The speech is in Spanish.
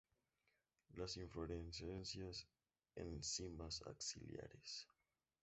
Las inflorescencias en cimas axilares.